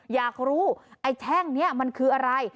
อยากรู้ไอ้แท่งนี้มันคืออะไร